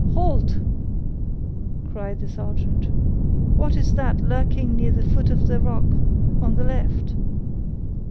"Halt!" cried the sergeant. "What is that lurking near the foot of the rock, on the left?"